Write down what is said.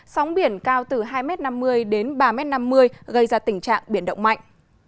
sóng biển cao từ hai năm mươi đến ba năm mươi gây ra tình trạng biển động mạnh